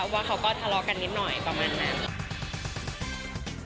ว่าเขาก็ทะเลาะกันนิดหน่อยประมาณนั้น